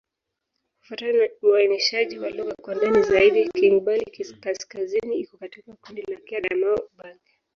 Kufuatana na uainishaji wa lugha kwa ndani zaidi, Kingbandi-Kaskazini iko katika kundi la Kiadamawa-Ubangi.